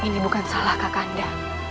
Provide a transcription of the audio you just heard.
ini bukan salah kakanda